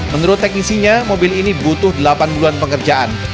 menurut teknisinya mobil ini butuh delapan bulan pekerjaan